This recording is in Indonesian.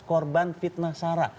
korban fitnah sarah